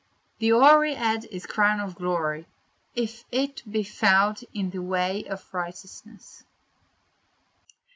"The hoary head is a crown of glory, if it be found in the way of righteousness."